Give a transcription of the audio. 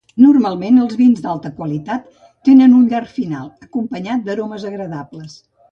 Normalment, els vins d"alta qualitat tenen un llarg final, acompanyat d"aromes agradables.